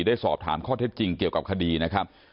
ได้สอบถามข้อเท็จจริงเกี่ยวกับคดีนะครับ